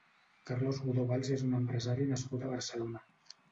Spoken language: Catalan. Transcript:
Carlos Godó Valls és un empresari nascut a Barcelona.